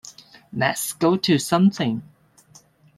Let's go to something!